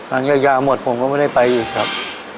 หลังจากยาหมดผมก็ไม่ได้ไปอีกครับ